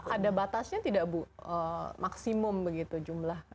ada batasnya tidak bu maksimum begitu jumlah